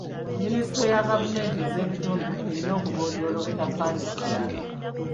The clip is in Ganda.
Minisitule ya gavumenti ez'ebitundu erina okugonjoola obutakkaanya ku byalo.